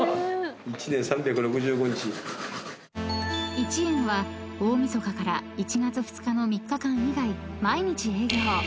［一圓は大晦日から１月２日の３日間以外毎日営業］